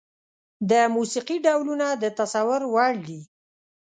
د موسيقي ډولونه د تصور وړ دي.